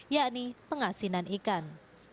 yakni pengasinan ikan